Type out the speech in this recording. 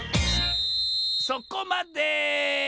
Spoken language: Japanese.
そこまで！